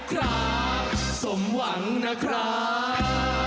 คราบที่สมหวังนะคราบ